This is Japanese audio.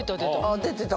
出てた。